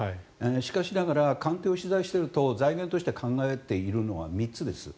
しかしながら官邸を取材していると財源として考えているのは３つです。